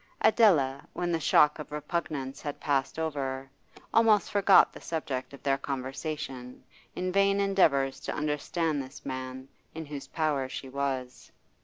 Adela, when the shock of repugnance had passed over, almost forgot the subject of their conversation in vain endeavours to understand this man in whose power she was.